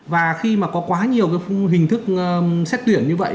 và khi mà có quá nhiều cái hình thức xét tuyển như vậy